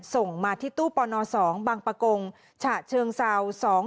ส่งมาที่ตู้ปน๒บางประกงฉะเชิงเซา